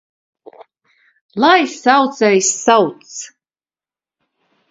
Lai saucējs sauc!